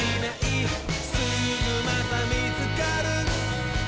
「すぐまたみつかる」